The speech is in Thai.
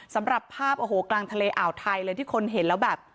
สำหรับภาพโอ้โหกลางทะเลอ่าวไทยเลยที่คนเห็นแล้วแบบ